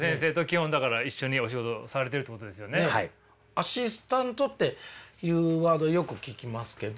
アシスタントっていうワードよく聞きますけど。